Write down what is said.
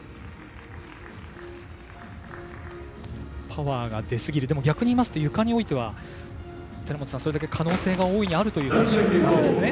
パワーが出過ぎる逆に言いますと、ゆかにおいてはそれだけ可能性が大いにある選手なんですね。